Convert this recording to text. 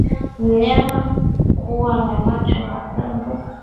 Mnyama kuwa na macho mekundu